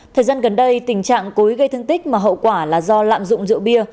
thời gian gần đây tình trạng cối gây thương tích mà hậu quả là do lạm dụng rượu bia